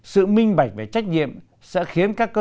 sự minh bạch về trách nhiệm